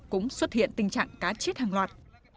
cũng xuất hiện tình trạng cá chết hàng loạt